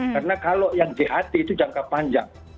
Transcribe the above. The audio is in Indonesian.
karena kalau yang jahat itu jangka panjang